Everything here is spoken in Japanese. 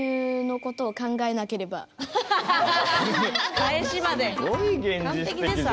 返しまで完璧でさあな。